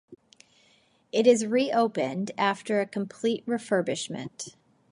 It is re-opened after a complete refurbishment.